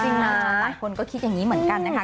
จริงนะหลายคนก็คิดอย่างนี้เหมือนกันนะคะ